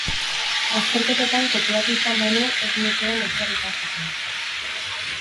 Azterketetan kopiatu izan banu ez nukeen ezer ikasiko.